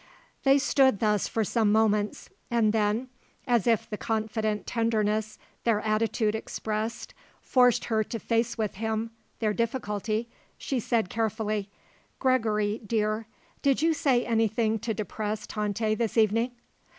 They stood thus for some moments and then, as if the confident tenderness their attitude expressed forced her to face with him their difficulty, she said carefully: "Gregory, dear, did you say anything to depress Tante this evening?"